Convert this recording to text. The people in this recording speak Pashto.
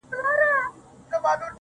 بيا به يې خپه اشـــــــــــــنا.